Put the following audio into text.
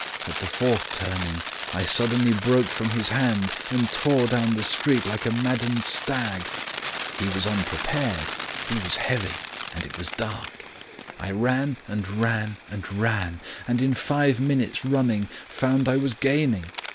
At the fourth turning, I suddenly broke from his hand and tore down the street like a maddened stag. He was unprepared, he was heavy, and it was dark. I ran and ran and ran, and in five minutes' running, found I was gaining.